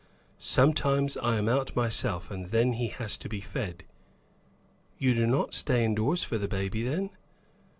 Sometimes I am out myself, and then he has to be fed." "You do not stay indoors for the baby, then?"